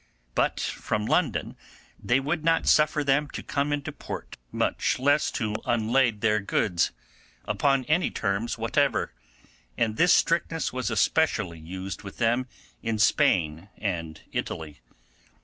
But from London they would not suffer them to come into port, much less to unlade their goods, upon any terms whatever, and this strictness was especially used with them in Spain and Italy.